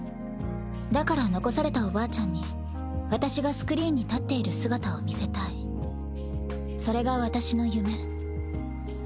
だから残されたおばあちゃんに私がスクリーンに立っている姿を見せたいそれが私の夢。